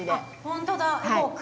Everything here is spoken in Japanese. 本当だ。